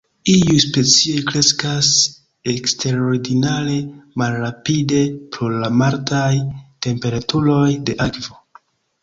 Iuj specioj kreskas eksterordinare malrapide pro la malaltaj temperaturoj de akvo.